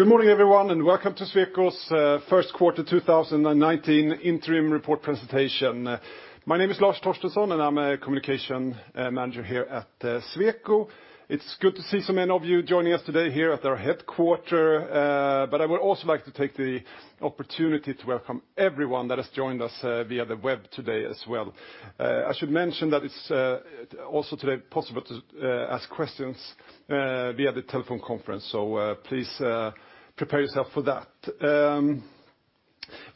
Good morning, everyone, and welcome to Sweco's first quarter 2019 interim report presentation. My name is Lars Torstensson, and I'm a communication manager here at Sweco. It's good to see so many of you joining us today here at our headquarters, but I would also like to take the opportunity to welcome everyone that has joined us via the web today as well. I should mention that it's also today possible to ask questions via the telephone conference, so please prepare yourself for that.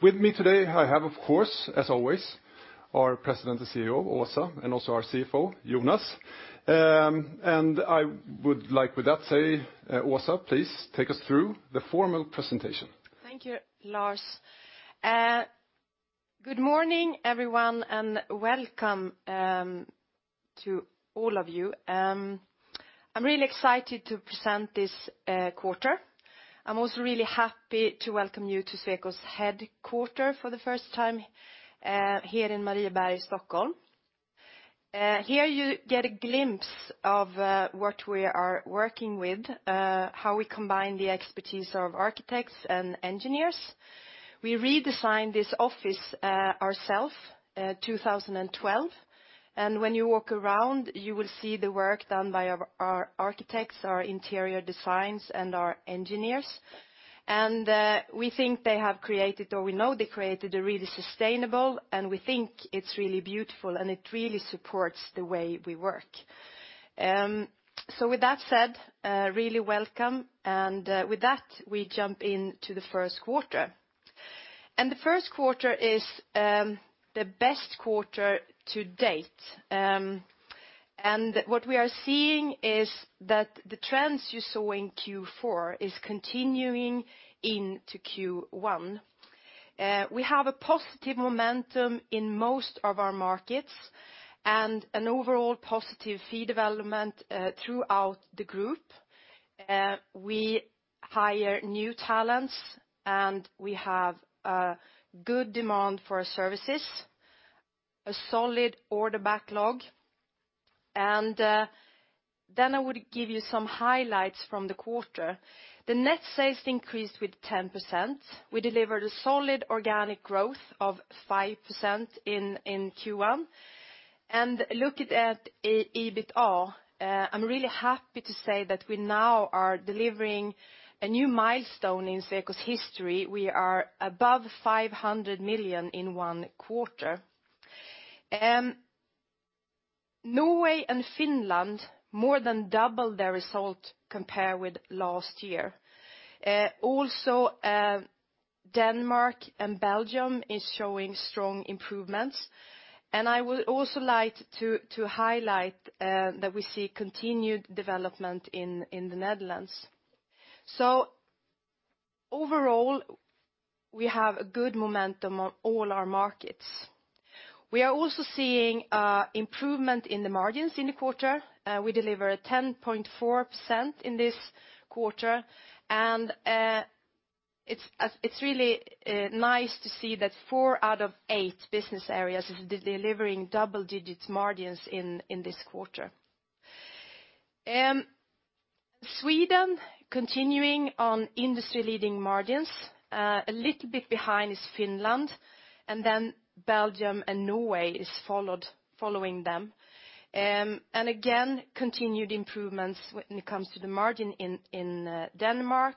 With me today, I have, of course, as always, our President and CEO, Åsa, and also our CFO, Jonas. I would like with that say, Åsa, please take us through the formal presentation. Thank you, Lars. Good morning, everyone, and welcome to all of you. I'm really excited to present this quarter. I'm also really happy to welcome you to Sweco's headquarters for the first time here in Marieberg, Stockholm. Here you get a glimpse of what we are working with, how we combine the expertise of architects and engineers. We redesigned this office ourselves in 2012, and when you walk around, you will see the work done by our architects, our interior designers, and our engineers. We think they have created, or we know they created a really sustainable office, and we think it's really beautiful, and it really supports the way we work. So with that said, really welcome, and with that, we jump into the first quarter. The first quarter is the best quarter to date. What we are seeing is that the trends you saw in Q4 is continuing into Q1. We have a positive momentum in most of our markets, and an overall positive fee development throughout the group. We hire new talents, and we have a good demand for our services, a solid order backlog. Then I would give you some highlights from the quarter. The net sales increased with 10%. We delivered a solid organic growth of 5% in Q1. Looking at EBITA, I'm really happy to say that we now are delivering a new milestone in Sweco's history. We are above 500 million in one quarter. Norway and Finland more than doubled their result compared with last year. Also, Denmark and Belgium is showing strong improvements, and I would also like to highlight that we see continued development in the Netherlands. So overall, we have a good momentum on all our markets. We are also seeing improvement in the margins in the quarter. We delivered 10.4% in this quarter, and it's really nice to see that four out of eight business areas is delivering double-digit margins in this quarter. Sweden continuing on industry-leading margins, a little bit behind is Finland, and then Belgium and Norway is following them. And again, continued improvements when it comes to the margin in Denmark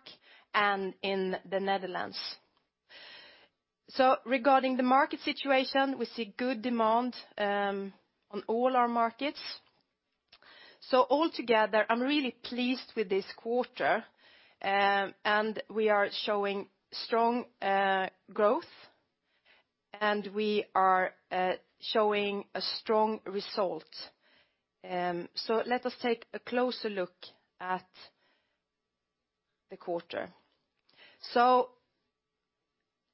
and in the Netherlands. So regarding the market situation, we see good demand on all our markets. So altogether, I'm really pleased with this quarter, and we are showing strong growth, and we are showing a strong result. So let us take a closer look at the quarter. So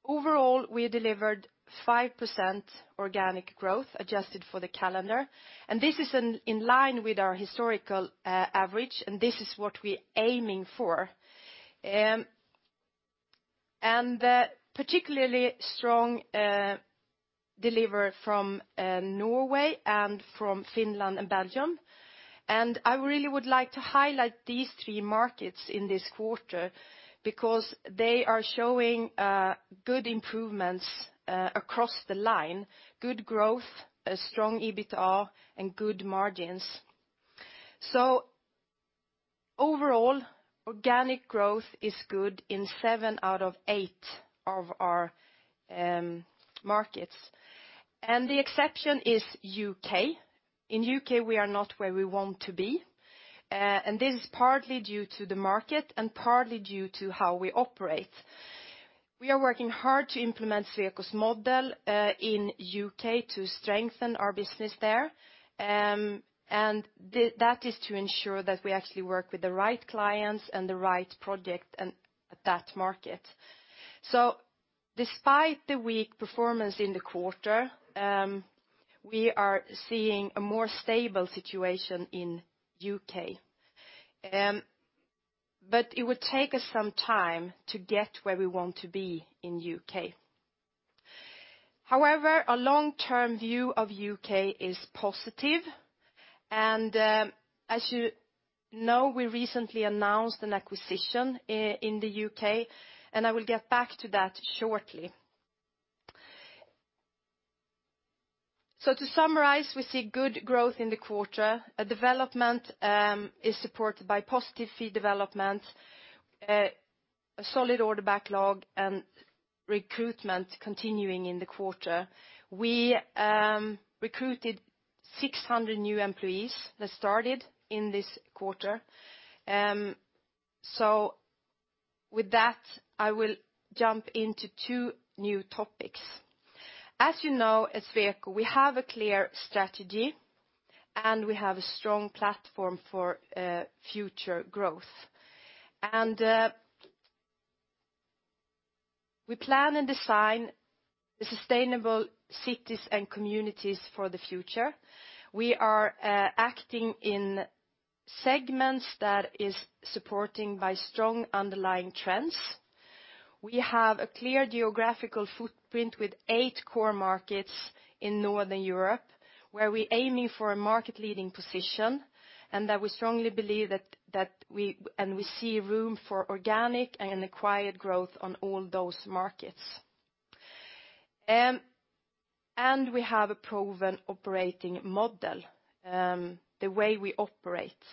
overall, we delivered 5% organic growth, adjusted for the calendar, and this is in line with our historical average, and this is what we're aiming for. And a particularly strong deliver from Norway and from Finland and Belgium. And I really would like to highlight these three markets in this quarter, because they are showing good improvements across the line, good growth, a strong EBITA, and good margins. So overall, organic growth is good in seven out of eight of our markets, and the exception is UK. In U.K., we are not where we want to be, and this is partly due to the market and partly due to how we operate. We are working hard to implement Sweco's model, in U.K. to strengthen our business there, and that is to ensure that we actually work with the right clients and the right project in that market. So despite the weak performance in the quarter, we are seeing a more stable situation in U.K. But it would take us some time to get where we want to be in U.K. However, our long-term view of U.K. is positive, and, as you know, we recently announced an acquisition in the U.K., and I will get back to that shortly. So to summarize, we see good growth in the quarter. A development is supported by positive fee development, a solid order backlog, and recruitment continuing in the quarter. We recruited 600 new employees that started in this quarter. So with that, I will jump into 2 new topics. As you know, at Sweco, we have a clear strategy, and we have a strong platform for future growth. And we plan and design the sustainable cities and communities for the future. We are acting in segments that is supporting by strong underlying trends. We have a clear geographical footprint with 8 core markets in Northern Europe, where we're aiming for a market-leading position, and that we strongly believe and we see room for organic and acquired growth on all those markets. We have a proven operating model, the way we operate,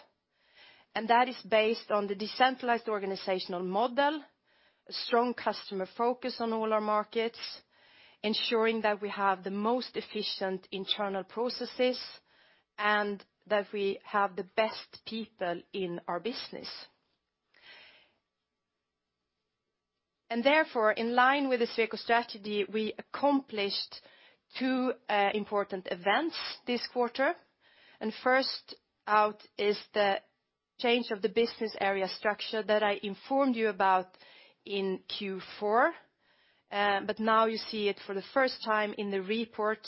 and that is based on the decentralized organizational model, a strong customer focus on all our markets, ensuring that we have the most efficient internal processes, and that we have the best people in our business. Therefore, in line with the Sweco strategy, we accomplished two important events this quarter. First out is the change of the business area structure that I informed you about in Q4, but now you see it for the first time in the report,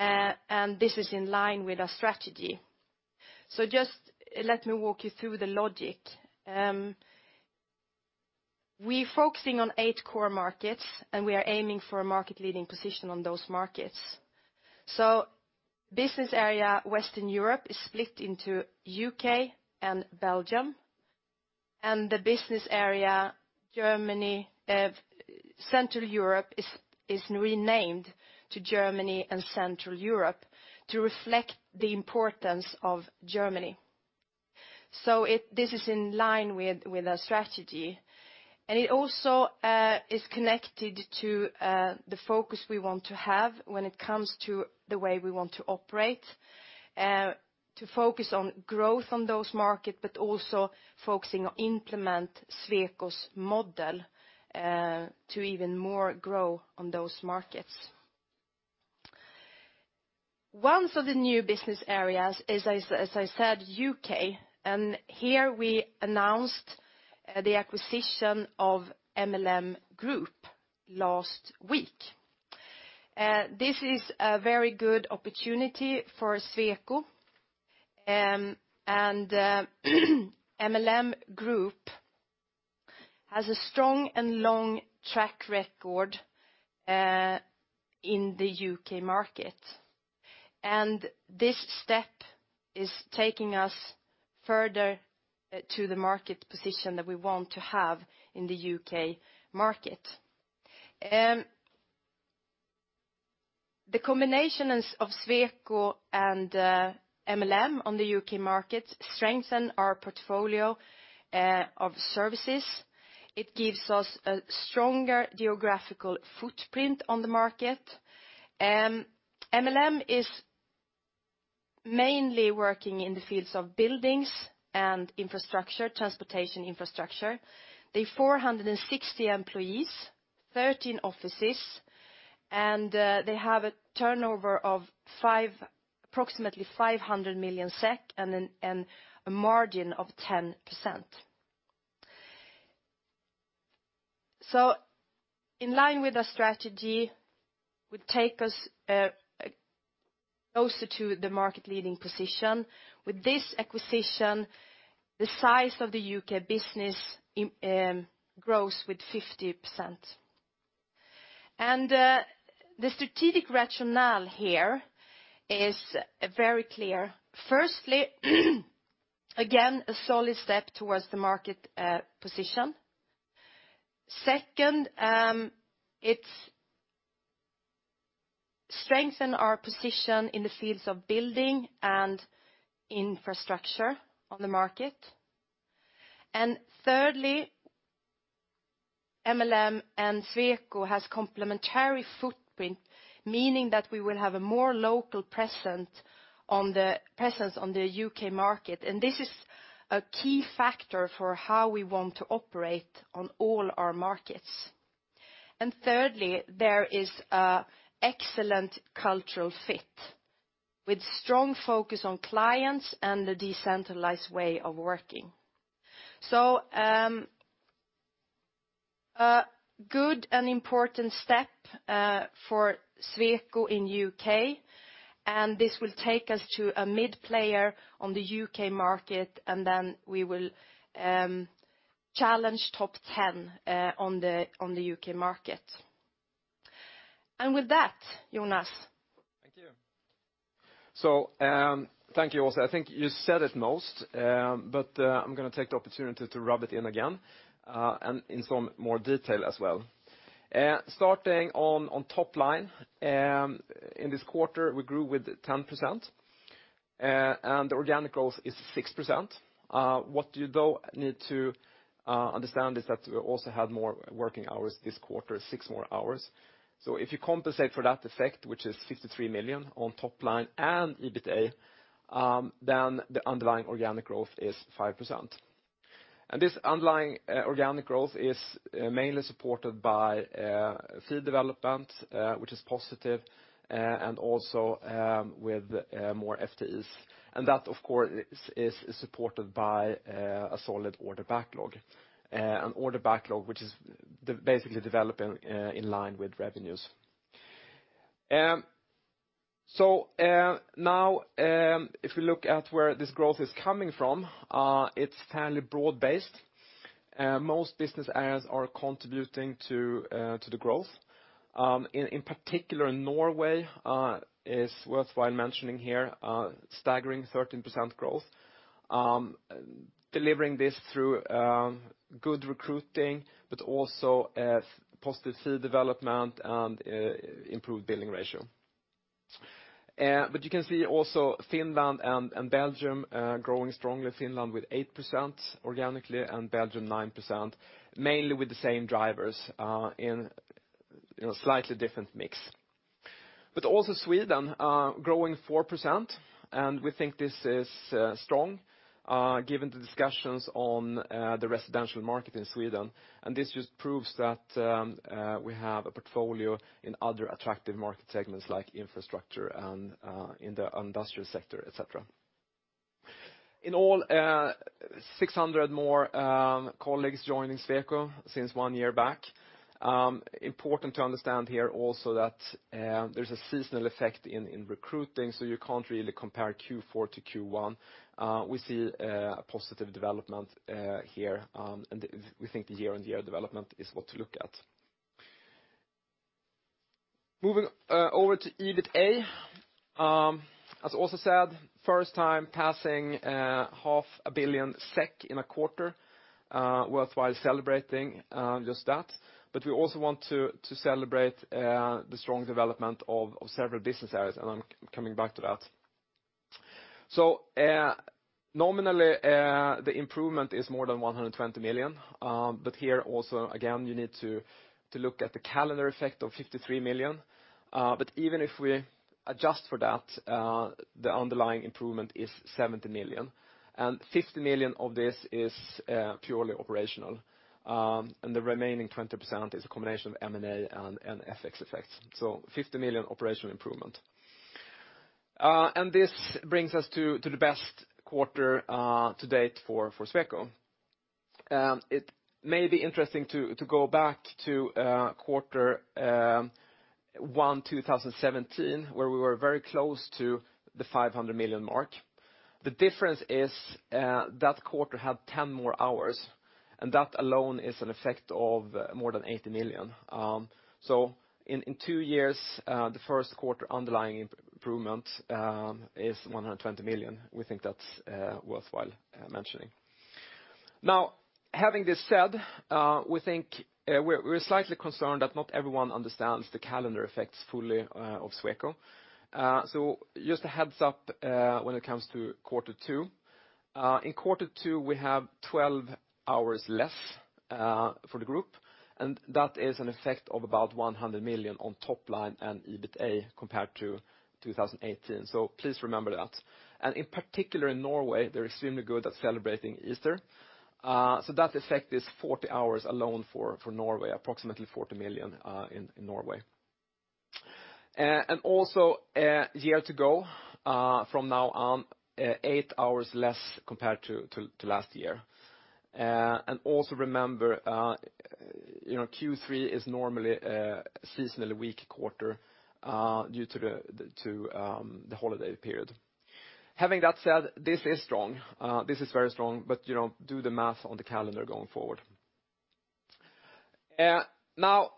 and this is in line with our strategy. Just let me walk you through the logic. We're focusing on eight core markets, and we are aiming for a market-leading position on those markets. So Business Area Western Europe is split into U.K. and Belgium, and the Business Area Germany, Central Europe is renamed to Germany and Central Europe to reflect the importance of Germany. This is in line with our strategy, and it also is connected to the focus we want to have when it comes to the way we want to operate, to focus on growth on those market, but also focusing on implement Sweco's model, to even more grow on those markets. One of the new business areas is, as I said, U.K., and here we announced the acquisition of MLM Group last week. This is a very good opportunity for Sweco, and MLM Group has a strong and long track record in the UK market, and this step is taking us further to the market position that we want to have in the UK market. The combinations of Sweco and MLM on the UK market strengthen our portfolio of services. It gives us a stronger geographical footprint on the market. MLM is mainly working in the fields of buildings and infrastructure, transportation infrastructure. They're 460 employees, 13 offices, and they have a turnover of approximately 500 million SEK, and a margin of 10%. So in line with our strategy, would take us closer to the market-leading position. With this acquisition, the size of the UK business grows with 50%. The strategic rationale here is very clear. Firstly, again, a solid step towards the market position. Second, it's strengthen our position in the fields of building and infrastructure on the market. And thirdly, MLM and Sweco has complementary footprint, meaning that we will have a more local presence on the UK market, and this is a key factor for how we want to operate on all our markets. And thirdly, there is a excellent cultural fit, with strong focus on clients and a decentralized way of working. So, a good and important step for Sweco in U.K., and this will take us to a mid-player on the UK market, and then we will..... challenge top ten, on the, on the UK market. And with that, Jonas? Thank you. Thank you also. I think you said it most, but I'm gonna take the opportunity to rub it in again, and in some more detail as well. Starting on top line, in this quarter, we grew with 10%, and the organic growth is 6%. What you though need to understand is that we also had more working hours this quarter, 6 more hours. If you compensate for that effect, which is 53 million on top line and EBITA, then the underlying organic growth is 5%. This underlying organic growth is mainly supported by fee development, which is positive, and also, with more FTEs. That, of course, is supported by a solid order backlog, an order backlog which is basically developing in line with revenues. So, now, if we look at where this growth is coming from, it's fairly broad-based. Most business areas are contributing to the growth. In particular, Norway is worthwhile mentioning here, staggering 13% growth. Delivering this through good recruiting, but also positive fee development and improved billing ratio. But you can see also Finland and Belgium growing strongly, Finland with 8% organically and Belgium 9%, mainly with the same drivers, in a slightly different mix. Also Sweden growing 4%, and we think this is strong, given the discussions on the residential market in Sweden. This just proves that we have a portfolio in other attractive market segments like infrastructure and in the industrial sector, et cetera. In all, 600 more colleagues joining Sweco since one year back. Important to understand here also that there's a seasonal effect in recruiting, so you can't really compare Q4 to Q1. We see a positive development here, and we think the year-on-year development is what to look at. Moving over to EBITA, as also said, first time passing 500 million SEK in a quarter, worthwhile celebrating just that. But we also want to celebrate the strong development of several business areas, and I'm coming back to that. So, nominally, the improvement is more than 120 million, but here also, again, you need to look at the calendar effect of 53 million. But even if we adjust for that, the underlying improvement is 70 million, and 50 million of this is purely operational, and the remaining 20% is a combination of M&A and FX effects, so 50 million operational improvement. And this brings us to the best quarter to date for Sweco. It may be interesting to go back to quarter 1 2017, where we were very close to the 500 million mark. The difference is that quarter had 10 more hours, and that alone is an effect of more than 80 million. So in two years, the first quarter underlying improvement is 120 million. We think that's worthwhile mentioning. Now, having this said, we think we're slightly concerned that not everyone understands the calendar effects fully of Sweco. So just a heads up when it comes to quarter two. In quarter two, we have 12 hours less for the group, and that is an effect of about 100 million on top line and EBITA compared to 2018. So please remember that. And in particular, in Norway, they're extremely good at celebrating Easter, so that effect is 40 hours alone for Norway, approximately 40 million in Norway. And also, year to go from now on, 8 hours less compared to last year. And also remember, you know, Q3 is normally a seasonally weak quarter, due to the holiday period. Having that said, this is strong. This is very strong, but, you know, do the math on the calendar going forward. Now,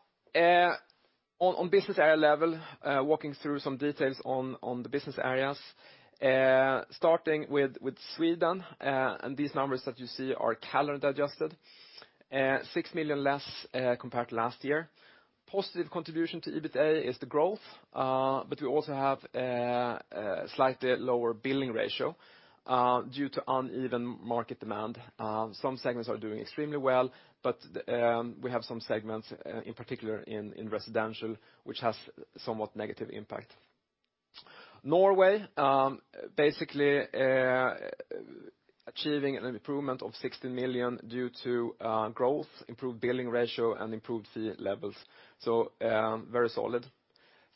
on business area level, walking through some details on the business areas, starting with Sweden, and these numbers that you see are calendar adjusted, 6 million less, compared to last year. Positive contribution to EBITA is the growth, but we also have a slightly lower billing ratio, due to uneven market demand. Some segments are doing extremely well, but we have some segments, in particular in residential, which has somewhat negative impact. Norway, basically, achieving an improvement of 60 million due to growth, improved billing ratio, and improved fee levels, so very solid.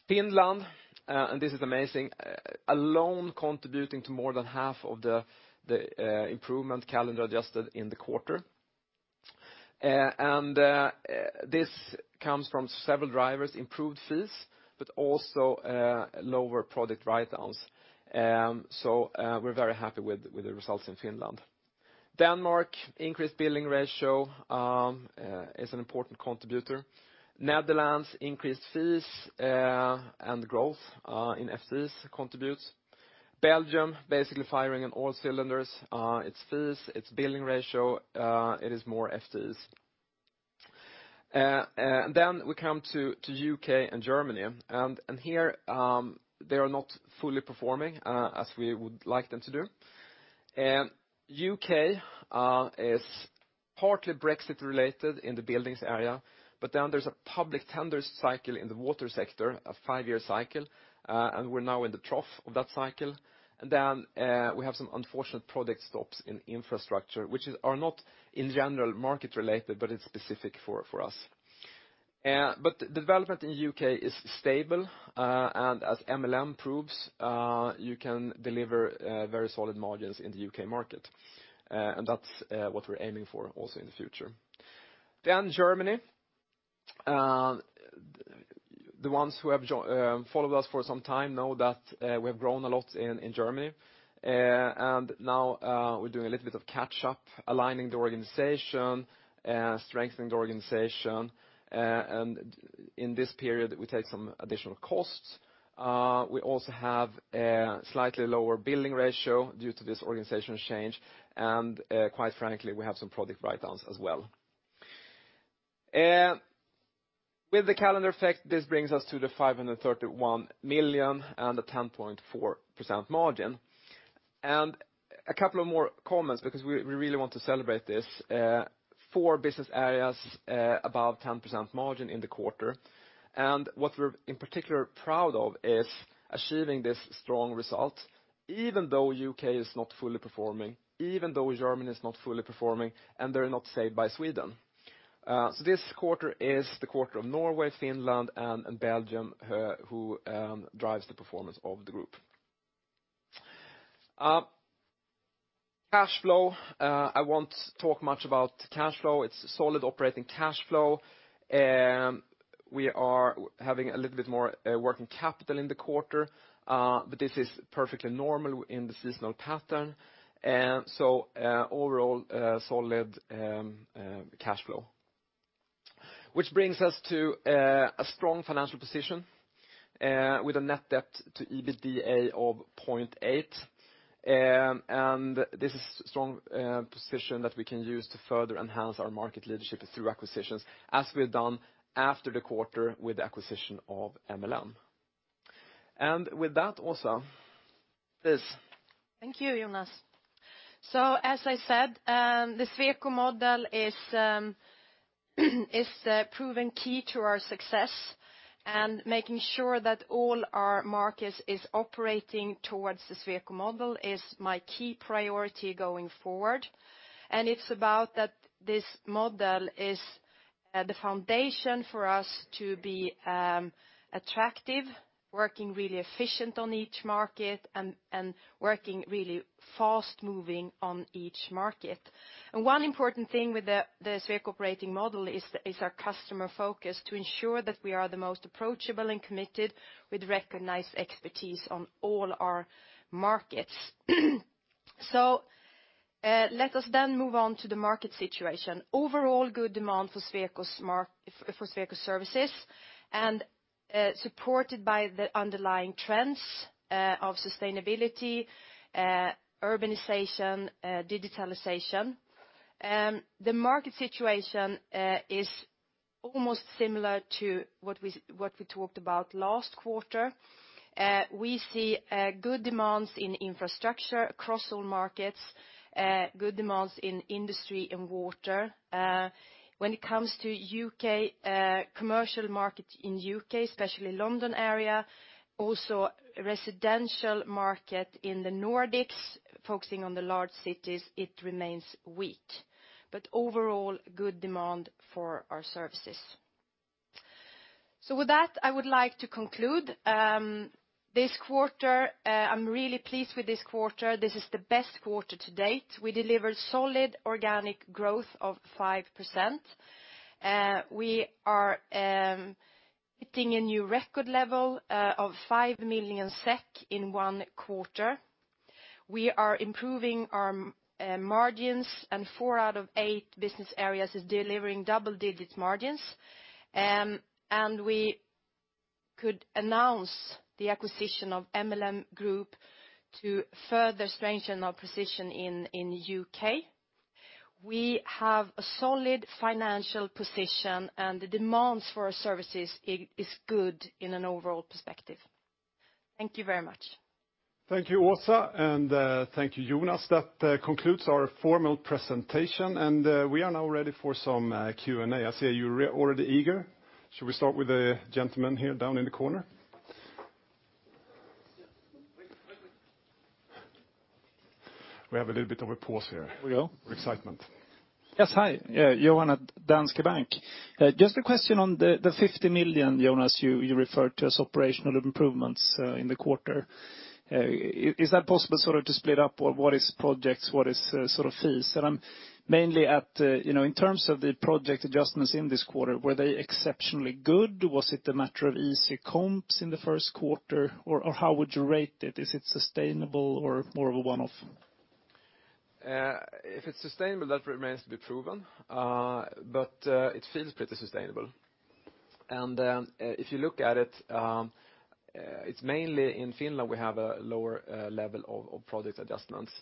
Finland, and this is amazing, alone contributing to more than half of the improvement, calendar adjusted in the quarter. And this comes from several drivers, improved fees, but also lower project write-downs. So we're very happy with the results in Finland. Denmark, increased billing ratio is an important contributor. Netherlands, increased fees and growth in FTEs contributes. Belgium, basically firing on all cylinders, its fees, its billing ratio, it is more FTEs. And then we come to UK and Germany, and here they are not fully performing as we would like them to do. U.K. is partly Brexit related in the buildings area, but then there's a public tender cycle in the water sector, a five-year cycle, and we're now in the trough of that cycle. Then, we have some unfortunate project stops in infrastructure, which are not in general market related, but it's specific for us. But development in U.K. is stable, and as MLM proves, you can deliver very solid margins in the U.K. market, and that's what we're aiming for also in the future. Then Germany. The ones who have followed us for some time know that we have grown a lot in Germany. And now, we're doing a little bit of catch up, aligning the organization, strengthening the organization. And in this period, we take some additional costs. We also have a slightly lower billing ratio due to this organizational change, and, quite frankly, we have some project write-downs as well. With the calendar effect, this brings us to the 531 million and a 10.4% margin. And a couple of more comments, because we really want to celebrate this. Four business areas above 11% margin in the quarter. And what we're in particular proud of is achieving this strong result, even though UK is not fully performing, even though Germany is not fully performing, and they're not saved by Sweden. So this quarter is the quarter of Norway, Finland, and Belgium, who drives the performance of the group. Cash flow, I won't talk much about cash flow. It's solid operating cash flow. We are having a little bit more working capital in the quarter, but this is perfectly normal in the seasonal pattern. Overall, solid cash flow. Which brings us to a strong financial position with a net debt to EBITDA of 0.8. This is strong position that we can use to further enhance our market leadership through acquisitions, as we've done after the quarter with the acquisition of MLM. With that, Åsa, please. Thank you, Jonas. So, as I said, the Sweco model is a proven key to our success, and making sure that all our markets is operating towards the Sweco model is my key priority going forward. It's about that this model is the foundation for us to be attractive, working really efficient on each market, and working really fast-moving on each market. One important thing with the Sweco operating model is our customer focus, to ensure that we are the most approachable and committed with recognized expertise on all our markets. So, let us then move on to the market situation. Overall, good demand for Sweco services, and supported by the underlying trends of sustainability, urbanization, digitalization. The market situation is almost similar to what we talked about last quarter. We see good demands in infrastructure across all markets, good demands in industry and water. When it comes to U.K., commercial market in U.K., especially London area, also residential market in the Nordics, focusing on the large cities, it remains weak. But overall, good demand for our services. So with that, I would like to conclude. This quarter, I'm really pleased with this quarter. This is the best quarter to date. We delivered solid organic growth of 5%, we are hitting a new record level of 500 million SEK in one quarter. We are improving our margins, and four out of eight business areas is delivering double-digit margins. We could announce the acquisition of MLM Group to further strengthen our position in UK. We have a solid financial position, and the demands for our services is good in an overall perspective. Thank you very much. Thank you, Åsa, and thank you, Jonas. That concludes our formal presentation, and we are now ready for some Q&A. I see you're already eager. Should we start with the gentleman here down in the corner? ... We have a little bit of a pause here. Here we go. Excitement. Yes, hi. Johan at Danske Bank. Just a question on the 50 million, Jonas, you referred to as operational improvements in the quarter. Is that possible, sort of, to split up, or what is projects, what is sort of fees? And I'm mainly at, you know, in terms of the project adjustments in this quarter, were they exceptionally good? Was it a matter of easy comps in the first quarter, or how would you rate it? Is it sustainable or more of a one-off? If it's sustainable, that remains to be proven. But it feels pretty sustainable. And if you look at it, it's mainly in Finland we have a lower level of project adjustments.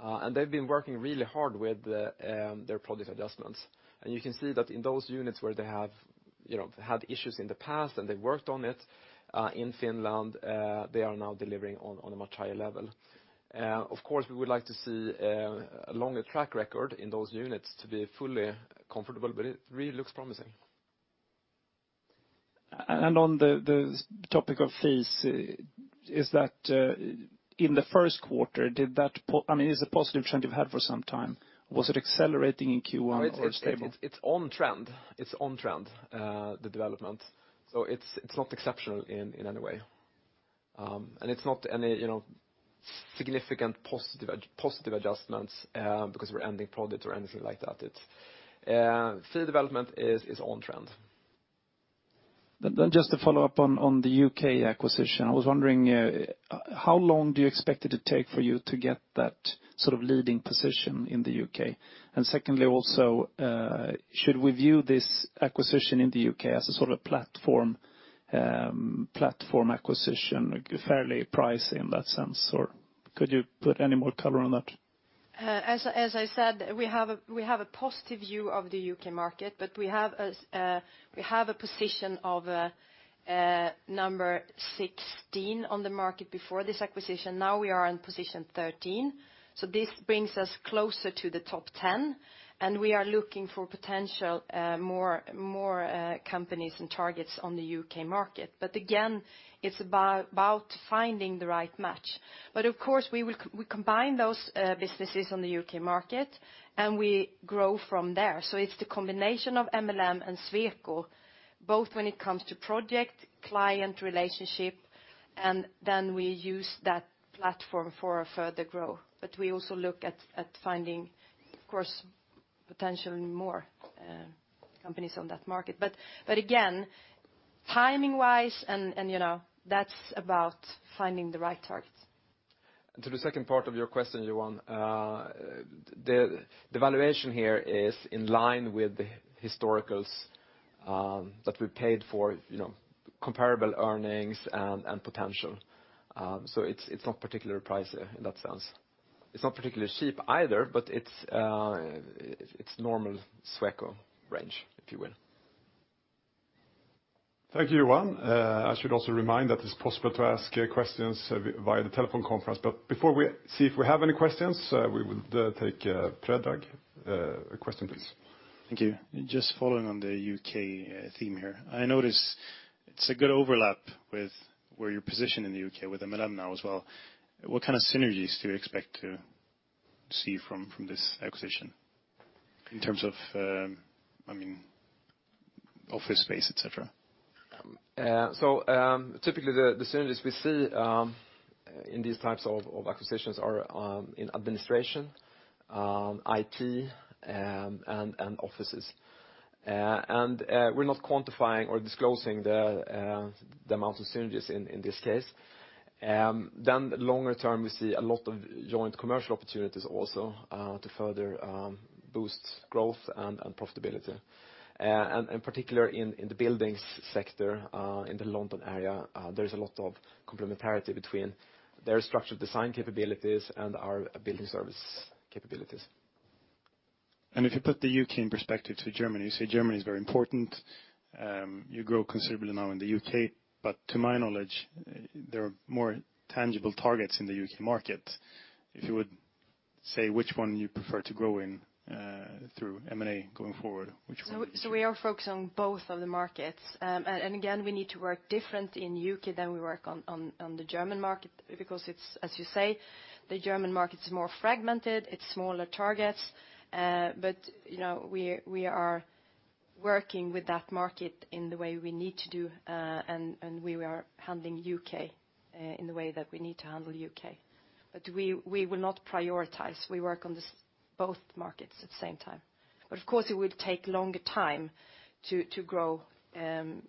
And they've been working really hard with their project adjustments. And you can see that in those units where they have, you know, had issues in the past, and they worked on it in Finland they are now delivering on a much higher level. Of course, we would like to see a longer track record in those units to be fully comfortable, but it really looks promising. On the topic of fees, is that in the first quarter—I mean, it's a positive trend you've had for some time. Was it accelerating in Q1 or it's stable? It's on trend. It's on trend, the development, so it's not exceptional in any way. And it's not any, you know, significant positive adjustments, because we're ending project or anything like that. It's fee development is on trend. Then just to follow up on the UK acquisition, I was wondering, how long do you expect it to take for you to get that sort of leading position in the UK? And secondly, also, should we view this acquisition in the UK as a sort of platform, platform acquisition, fairly pricey in that sense, or could you put any more color on that? As I said, we have a positive view of the UK market, but we have a position of number 16 on the market before this acquisition. Now we are on position 13, so this brings us closer to the top 10, and we are looking for potential more companies and targets on the UK market. But again, it's about finding the right match. But of course, we will combine those businesses on the UK market, and we grow from there. So it's the combination of MLM and Sweco, both when it comes to project, client relationship, and then we use that platform for further growth. But we also look at finding, of course, potentially more companies on that market. But again, timing-wise, you know, that's about finding the right targets. And to the second part of your question, Johan, the valuation here is in line with the historicals that we paid for, you know, comparable earnings and potential. So it's not particularly pricey in that sense. It's not particularly cheap either, but it's normal Sweco range, if you will. Thank you, Johan. I should also remind that it's possible to ask questions via the telephone conference, but before we see if we have any questions, we would take Predrag question, please. Thank you. Just following on the U.K. theme here. I notice it's a good overlap with where you're positioned in the U.K. with MLM now as well. What kind of synergies do you expect to see from this acquisition in terms of, I mean, office space, et cetera? So, typically, the synergies we see in these types of acquisitions are in administration, IT, and offices. We're not quantifying or disclosing the amount of synergies in this case. Then longer term, we see a lot of joint commercial opportunities also to further boost growth and profitability. In particular, in the buildings sector, in the London area, there is a lot of complementarity between their structural design capabilities and our building service capabilities. If you put the UK in perspective to Germany, you say Germany is very important. You grow considerably now in the U.K., but to my knowledge, there are more tangible targets in the UK market. If you would say which one you prefer to grow in, through M&A going forward, which one would you- So, we are focused on both of the markets. And again, we need to work different in UK than we work on the German market, because it's, as you say, the German market is more fragmented, it's smaller targets. But, you know, we are working with that market in the way we need to do, and we are handling U.K. in the way that we need to handle U.K. But we will not prioritize. We work on both markets at the same time. But of course, it would take longer time to grow in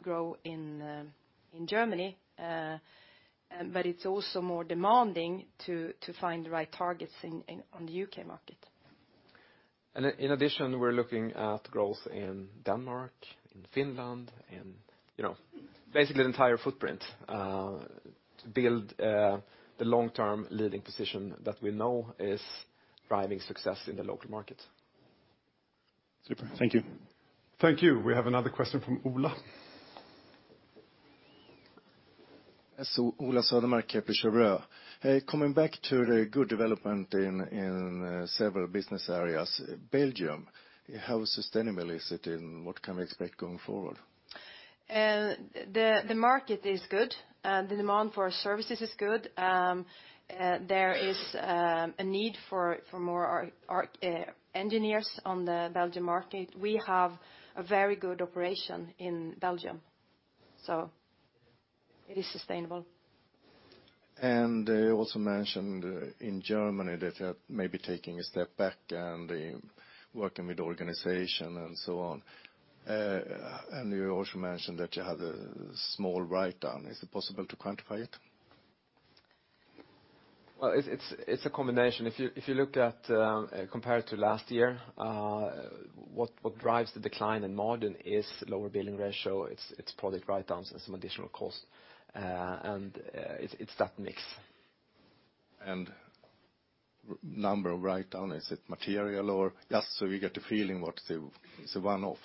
Germany, but it's also more demanding to find the right targets in the U.K. market. In addition, we're looking at growth in Denmark, in Finland, you know, basically the entire footprint, to build the long-term leading position that we know is driving success in the local market. Super. Thank you. Thank you. We have another question from Ola. So, Ola Södermark, Kepler Cheuvreux. Coming back to the good development in several business areas, Belgium, how sustainable is it, and what can we expect going forward?... The market is good, and the demand for our services is good. There is a need for more engineers on the Belgian market. We have a very good operation in Belgium, so it is sustainable. You also mentioned in Germany that you are maybe taking a step back and working with organization and so on. And you also mentioned that you had a small write-down. Is it possible to quantify it? Well, it's a combination. If you looked at, compared to last year, what drives the decline in margin is lower billing ratio. It's project write-downs and some additional costs. And it's that mix. Number of write-down, is it material or...? Just so we get a feeling what the, it's a one-off.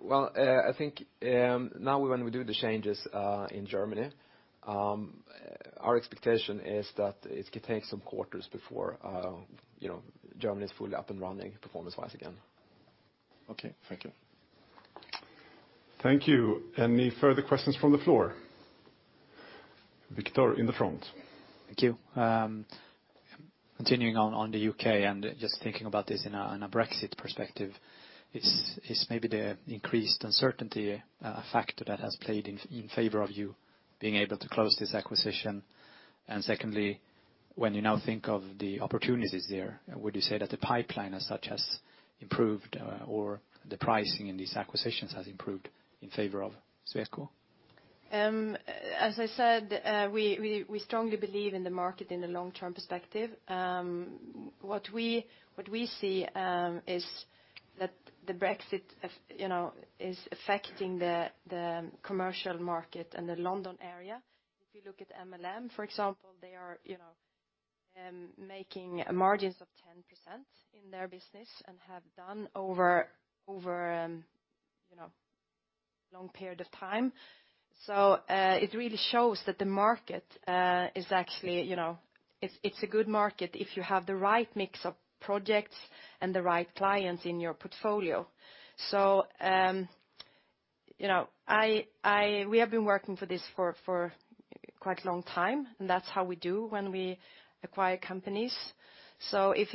Well, I think, now when we do the changes, in Germany, our expectation is that it could take some quarters before, you know, Germany is fully up and running performance-wise again. Okay, thank you. Thank you. Any further questions from the floor? Viktor, in the front. Thank you. Continuing on, on the U.K. and just thinking about this in a, in a Brexit perspective, is, is maybe the increased uncertainty a factor that has played in, in favor of you being able to close this acquisition? And secondly, when you now think of the opportunities there, would you say that the pipeline as such has improved, or the pricing in these acquisitions has improved in favor of Sweco? As I said, we strongly believe in the market in the long-term perspective. What we see is that the Brexit, you know, is affecting the commercial market and the London area. If you look at MLM, for example, they are, you know, making margins of 10% in their business, and have done over, you know, long period of time. So, it really shows that the market is actually, you know, it's a good market if you have the right mix of projects and the right clients in your portfolio. So, you know, I—we have been working for this for quite a long time, and that's how we do when we acquire companies. So if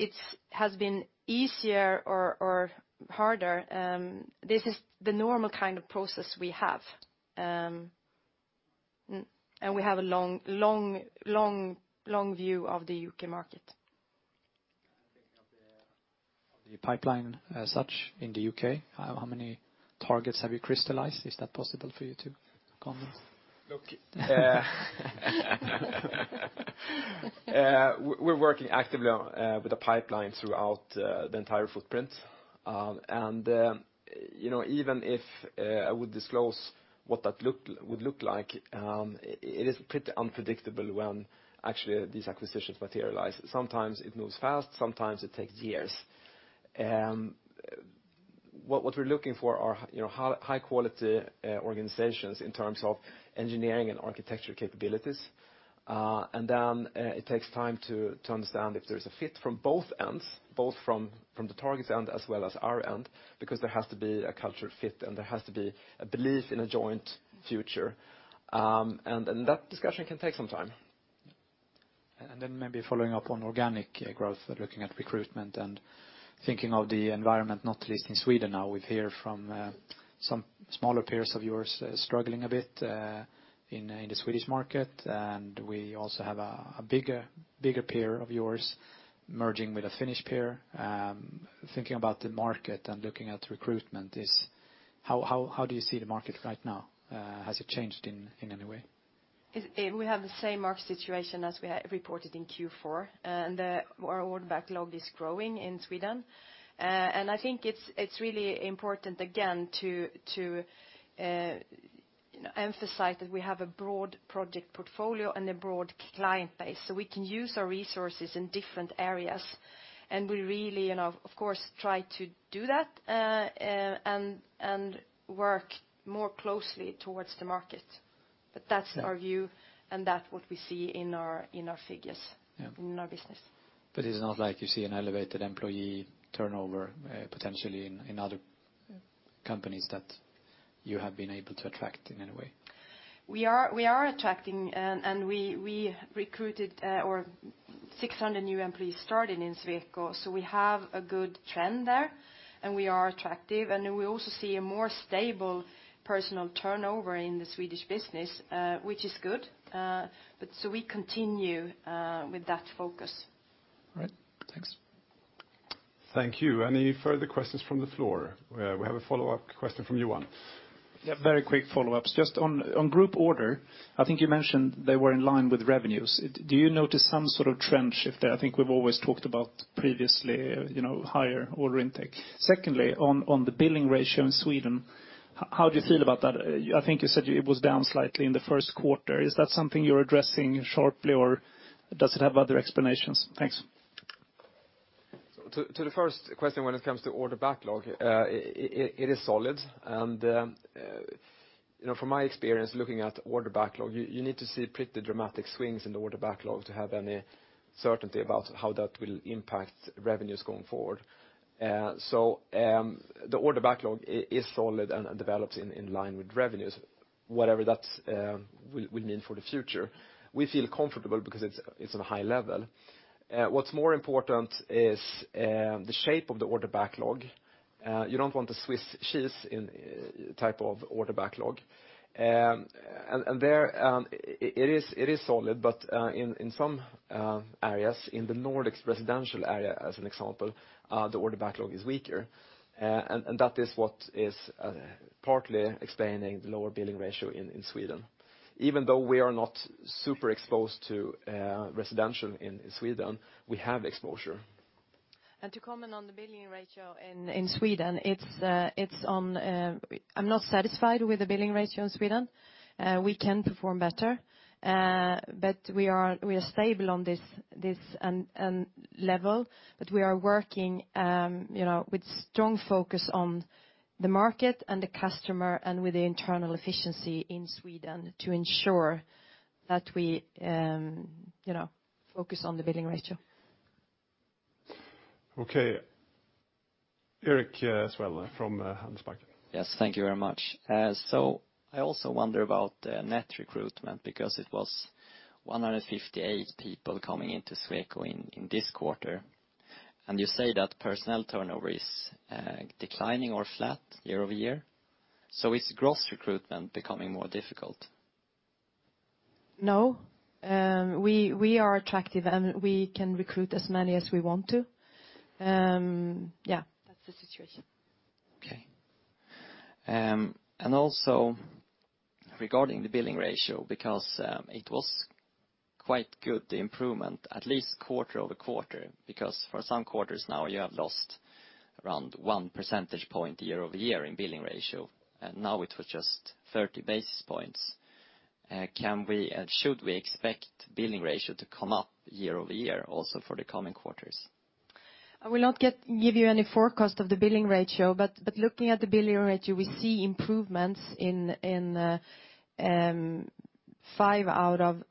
it's been easier or harder, this is the normal kind of process we have. And we have a long, long, long, long view of the UK market. Thinking of the pipeline, as such, in the U.K., how many targets have you crystallized? Is that possible for you to comment? Look, we're working actively on with the pipeline throughout the entire footprint. And you know, even if I would disclose what that would look like, it is pretty unpredictable when actually these acquisitions materialize. Sometimes it moves fast, sometimes it takes years. What we're looking for are, you know, high-quality organizations in terms of engineering and architecture capabilities. And then it takes time to understand if there's a fit from both ends, both from the target's end as well as our end, because there has to be a culture fit, and there has to be a belief in a joint future. And then that discussion can take some time. And then maybe following up on organic growth, looking at recruitment and thinking of the environment, not least in Sweden now, we hear from some smaller peers of yours struggling a bit in the Swedish market. And we also have a bigger peer of yours merging with a Finnish peer. Thinking about the market and looking at recruitment, how do you see the market right now? Has it changed in any way? We have the same market situation as we had reported in Q4, and our order backlog is growing in Sweden. And I think it's really important, again, to emphasize that we have a broad project portfolio and a broad client base, so we can use our resources in different areas. And we really, you know, of course, try to do that, and work more closely towards the market. But that's our view, and that's what we see in our figures. Yeah... in our business. But it's not like you see an elevated employee turnover, potentially in other companies that you have been able to attract in any way? We are attracting, and we recruited over 600 new employees started in Sweco, so we have a good trend there, and we are attractive. We also see a more stable personnel turnover in the Swedish business, which is good. So we continue with that focus. All right. Thanks. Thank you. Any further questions from the floor? We have a follow-up question from Johan. Yeah, very quick follow-ups. Just on, on group order, I think you mentioned they were in line with revenues. Do you notice some sort of trend shift there? I think we've always talked about previously, you know, higher order intake. Secondly, on, on the billing ratio in Sweden, how do you feel about that? I think you said it was down slightly in the first quarter. Is that something you're addressing shortly, or does it have other explanations? Thanks. To the first question, when it comes to order backlog, it is solid. You know, from my experience, looking at order backlog, you need to see pretty dramatic swings in the order backlog to have any certainty about how that will impact revenues going forward. So, the order backlog is solid and develops in line with revenues, whatever that will mean for the future. We feel comfortable because it's on a high level. What's more important is the shape of the order backlog. You don't want a Swiss cheese in type of order backlog. And there, it is solid, but in some areas, in the Nordics residential area, as an example, the order backlog is weaker. And that is what is partly explaining the lower billing ratio in Sweden. Even though we are not super exposed to residential in Sweden, we have exposure. To comment on the billing ratio in Sweden, it's on... I'm not satisfied with the billing ratio in Sweden. We can perform better, but we are stable on this level. But we are working, you know, with strong focus on the market and the customer, and with the internal efficiency in Sweden to ensure that we, you know, focus on the billing ratio. Okay. Erik, as well, from Handelsbanken. Yes, thank you very much. So I also wonder about net recruitment, because it was 158 people coming into Sweco in this quarter. And you say that personnel turnover is declining or flat year-over-year. So is gross recruitment becoming more difficult? No. We are attractive, and we can recruit as many as we want to. Yeah, that's the situation. Okay. Also regarding the billing ratio, because it was quite good, the improvement, at least quarter-over-quarter, because for some quarters now, you have lost around one percentage point year-over-year in billing ratio, and now it was just 30 basis points. Can we and should we expect billing ratio to come up year-over-year also for the coming quarters? I will not give you any forecast of the billing ratio, but looking at the billing ratio, we see improvements in five out of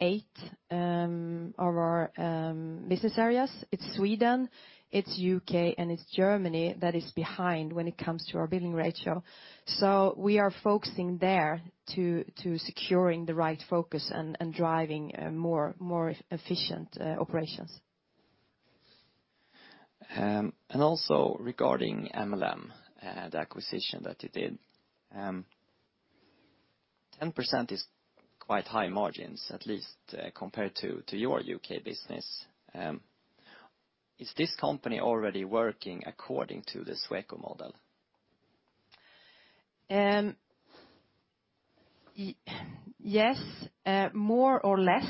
eight of our business areas. It's Sweden, it's UK, and it's Germany that is behind when it comes to our billing ratio. So we are focusing there to securing the right focus and driving more efficient operations. Also, regarding MLM, the acquisition that you did, 10% is quite high margins, at least compared to your UK business. Is this company already working according to the Sweco model? Yes, more or less,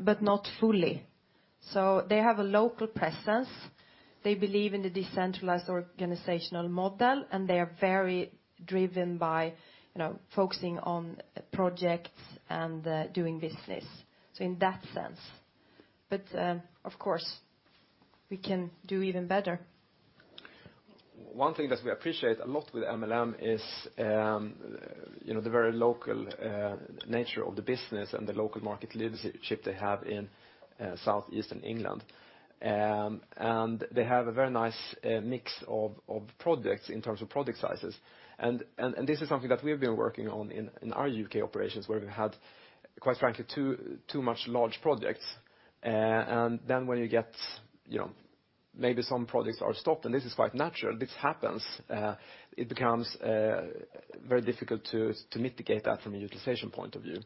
but not fully. So they have a local presence. They believe in the decentralized organizational model, and they are very driven by, you know, focusing on projects and doing business, so in that sense. But, of course, we can do even better. One thing that we appreciate a lot with MLM is, you know, the very local nature of the business and the local market leadership they have in southeastern England. And they have a very nice mix of projects in terms of project sizes. And this is something that we've been working on in our UK operations, where we've had, quite frankly, too much large projects. And then when you get, you know, maybe some projects are stopped, and this is quite natural, this happens, it becomes very difficult to mitigate that from a utilization point of view.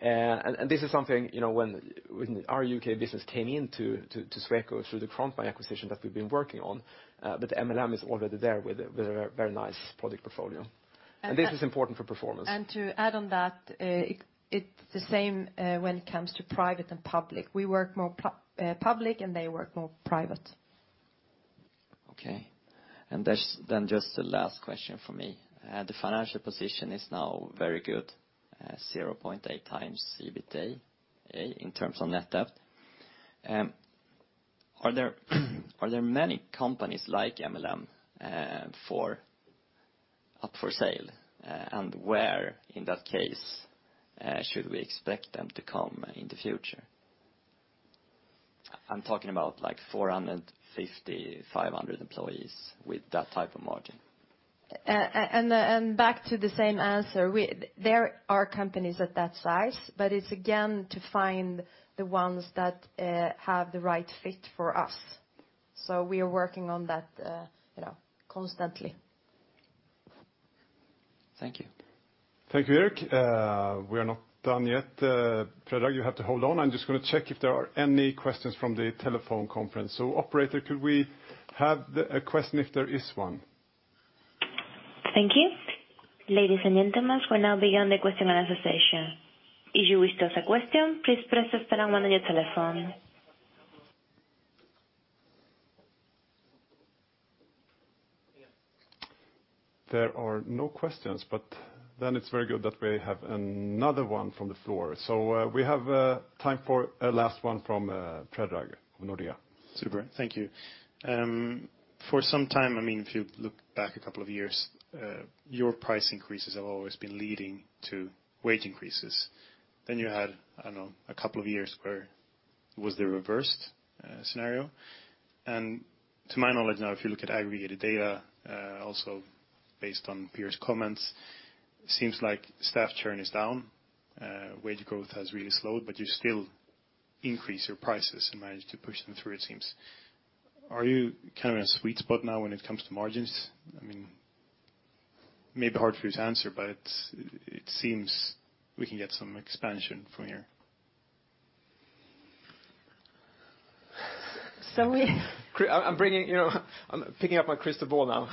This is something, you know, when our UK business came into Sweco through the Grontmij acquisition that we've been working on, but MLM is already there with a very nice product portfolio. And- This is important for performance. And to add on that, it's the same when it comes to private and public. We work more public, and they work more private. Okay. And that's then just the last question for me. The financial position is now very good, 0.8x EBITA, in terms of net debt. Are there many companies like MLM up for sale? And where, in that case, should we expect them to come in the future? I'm talking about, like, 450, 500 employees with that type of margin. And back to the same answer, there are companies at that size, but it's again to find the ones that have the right fit for us. So we are working on that, you know, constantly. Thank you. Thank you, Erik. We are not done yet. Predrag, you have to hold on. I'm just gonna check if there are any questions from the telephone conference. So operator, could we have the, a question if there is one? Thank you. Ladies and gentlemen, we're now beginning the question and answer session. If you wish to ask a question, please press star one on your telephone. There are no questions, but then it's very good that we have another one from the floor. So, we have time for a last one from Predrag of Nordea. Super. Thank you. For some time, I mean, if you look back a couple of years, your price increases have always been leading to wage increases. Then you had, I don't know, a couple of years. It was the reversed scenario? And to my knowledge now, if you look at aggregated data, also based on peers' comments, seems like staff churn is down, wage growth has really slowed, but you still increase your prices and manage to push them through, it seems. Are you kind of in a sweet spot now when it comes to margins? I mean, maybe hard for you to answer, but it seems we can get some expansion from here. So we- I'm bringing, you know, I'm picking up my crystal ball now.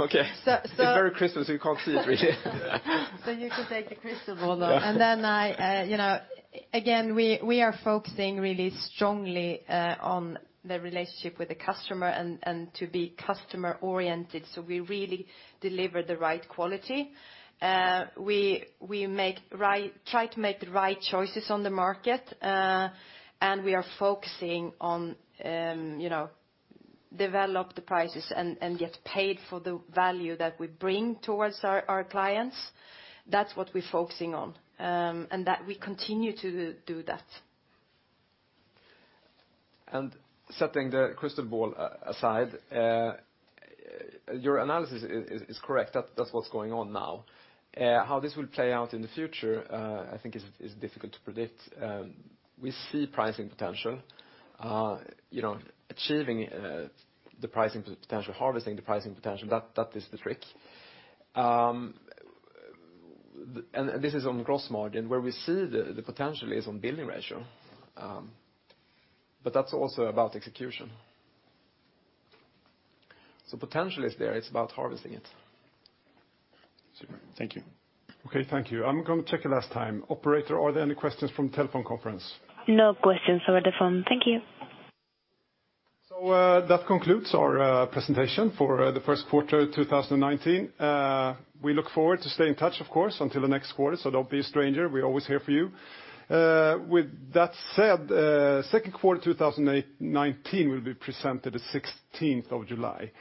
Okay. So, so- It's very Christmas, you can't see it, really. You can take the crystal ball now. Yeah. I, you know, again, we are focusing really strongly on the relationship with the customer and to be customer-oriented, so we really deliver the right quality. We make right—try to make the right choices on the market, and we are focusing on, you know, develop the prices and get paid for the value that we bring towards our clients. That's what we're focusing on, and that we continue to do that. Setting the crystal ball aside, your analysis is correct. That's what's going on now. How this will play out in the future, I think is difficult to predict. We see pricing potential. You know, achieving the pricing potential, harvesting the pricing potential, that is the trick. This is on gross margin. Where we see the potential is on billing ratio, but that's also about execution. So potential is there, it's about harvesting it. Super. Thank you. Okay, thank you. I'm going to check a last time. Operator, are there any questions from telephone conference? No questions over the phone. Thank you. That concludes our presentation for the first quarter of 2019. We look forward to staying in touch, of course, until the next quarter, so don't be a stranger. We're always here for you. With that said, second quarter 2019 will be presented the 16th of July.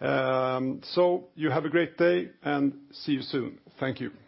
You have a great day, and see you soon. Thank you. Thank you.